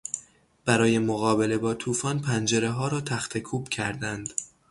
برای مقابله با طوفان پنجرهها را تختهکوب کردند.